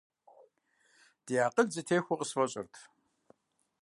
Ди акъыл зэтехуэ къысфӀэщӀырт.